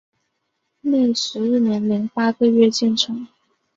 历时一年零八个月建成。